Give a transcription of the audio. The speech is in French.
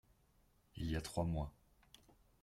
il y a trois mois.